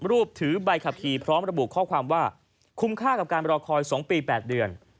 รูปถือใบขับขี่พร้อมระบุข้อความว่าคุ้มค่ากับการรอคอย๒ปี๘เดือน